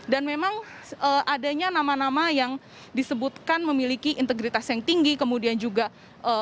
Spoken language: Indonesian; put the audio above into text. dan memang adanya nama nama yang disebutkan memiliki integritas yang tinggi kemudian juga ada yang mengatakan bahwa ini adalah hal yang tidak bisa diperlukan oleh pemerintah